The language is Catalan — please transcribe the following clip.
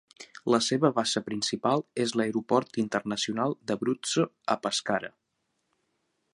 La seva base principal és l'Aeroport Internacional d'Abruzzo, a Pescara.